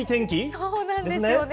そうなんですよね。